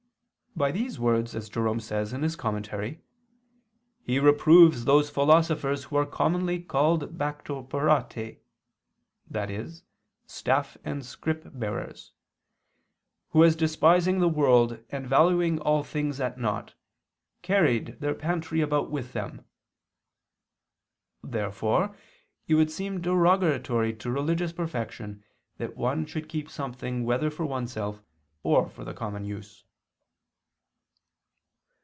By these words, as Jerome says in his commentary, "He reproves those philosophers who are commonly called Bactroperatae [*i.e. staff and scrip bearers], who as despising the world and valuing all things at naught carried their pantry about with them." Therefore it would seem derogatory to religious perfection that one should keep something whether for oneself or for the common use.